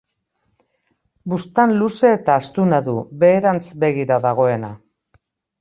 Buztan luze eta astuna du, beherantz begira dagoena.